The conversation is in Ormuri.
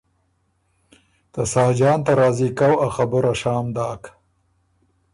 ته ساجان ته راضی کؤ ا خبُره شام داک